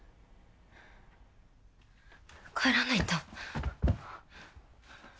帰らないと。